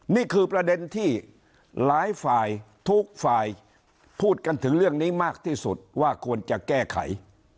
นี่คือประเด็นที่หลายฝ่ายทุกฝ่ายพูดกันถึงเรื่องนี้มากที่สุดว่าควรจะแก้ไข